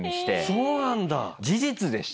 そうなんだ。